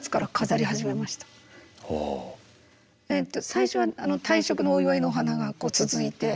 最初は退職のお祝いのお花がこう続いて。